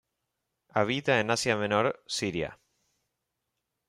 Habita en Asia Menor, Siria.